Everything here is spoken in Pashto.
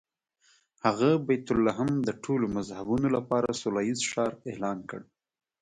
هغه بیت لحم د ټولو مذهبونو لپاره سوله ییز ښار اعلان کړ.